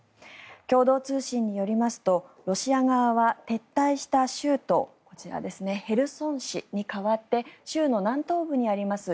共同通信によりますとロシア側は撤退した州都こちら、ヘルソン市に代わって州の南東部にあります